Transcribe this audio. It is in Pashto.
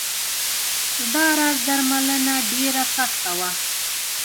دا راز درملنه ډېره سخته وه.